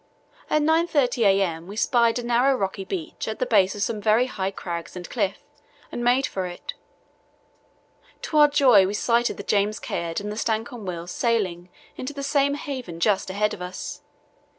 At 9.30 a.m. we spied a narrow, rocky beach at the base of some very high crags and cliff, and made for it. To our joy, we sighted the James Caird and the Stancomb Wills sailing into the same haven just ahead of us.